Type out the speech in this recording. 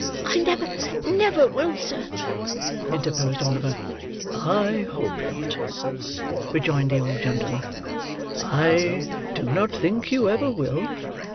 "I never, never will, sir," interposed Oliver. "I hope not," rejoined the old gentleman. "I do not think you ever will.